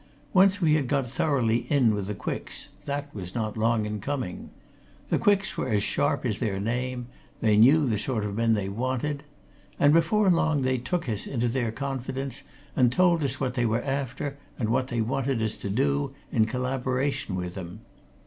Once we had got thoroughly in with the Quicks, that was not long in coming. The Quicks were as sharp as their name they knew the sort of men they wanted. And before long they took us into their confidence and told us what they were after and what they wanted us to do, in collaboration with them.